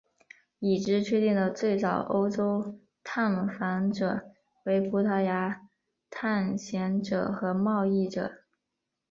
已知确定的最早欧洲探访者为葡萄牙探险者和贸易者。